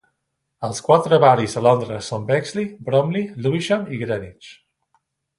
Els quatre barris de Londres són Bexley, Bromley, Lewisham i Greenwich.